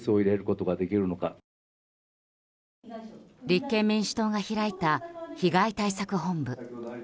立憲民主党が開いた被害対策本部。